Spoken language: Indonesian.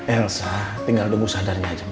elsa tinggal tunggu sadarnya aja mak